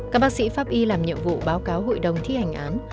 các bác sĩ pháp y làm nhiệm vụ báo cáo hội đồng thi hành án